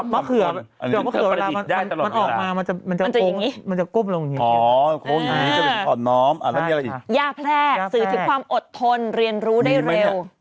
มะเขือมันออกมามันจะกบลงอย่างนี้ย่าแพร่สืบถึงความอดทนเรียนรู้ได้เร็ว